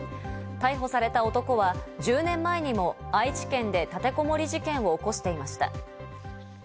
逮捕された男は１０年前にも愛知県で立てこもり事件を起こしていました。